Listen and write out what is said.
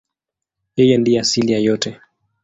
Yeye ndiye asili ya yote.